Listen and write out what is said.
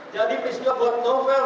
jadi peristiwa buat novel